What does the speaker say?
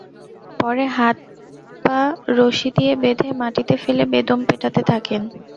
পরে তাঁর হাত-পা রশি দিয়ে বেঁধে মাটিতে ফেলে বেদম পেটাতে থাকেন।